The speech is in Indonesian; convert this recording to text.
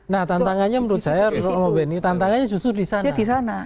nah tantangannya menurut saya menurut om om beny tantangannya justru di sana